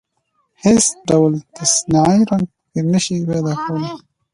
هېڅ ډول تصنعي رنګ په کې ځای نشي پيدا کولای.